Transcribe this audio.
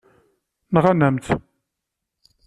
Nɣan-am-tt.